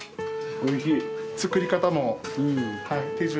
おいしい。